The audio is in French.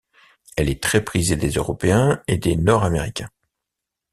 Elle est très prisée des Européens et des Nord-Américains.